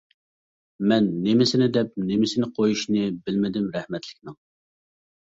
مەن نېمىسىنى دەپ نېمىسىنى قويۇشنى بىلمىدىم رەھمەتلىكنىڭ.